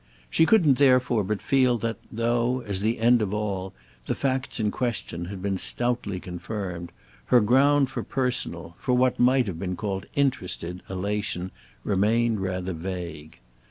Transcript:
She couldn't therefore but feel that, though, as the end of all, the facts in question had been stoutly confirmed, her ground for personal, for what might have been called interested, elation remained rather vague.